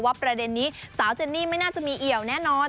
ประเด็นนี้สาวเจนนี่ไม่น่าจะมีเอี่ยวแน่นอน